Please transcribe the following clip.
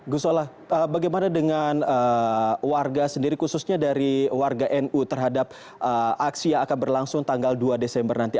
gus soleh bagaimana dengan warga sendiri khususnya dari warga nu terhadap aksi yang akan berlangsung tanggal dua desember nanti